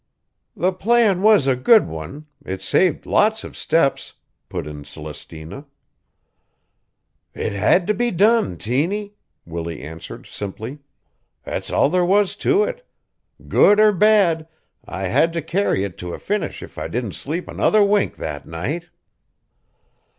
"The plan was a good one; it's saved lots of steps," put in Celestina. "It had to be done, Tiny," Willie answered simply. "That's all there was to it. Good or bad, I had to carry it to a finish if I didn't sleep another wink that night."